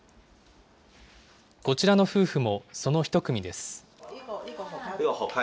こちらの夫婦もその一組です。